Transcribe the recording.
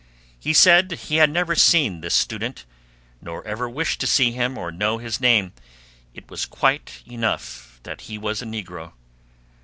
He said he had never seen this student, nor ever wished to see him or know his name; it was quite enough that he was a negro.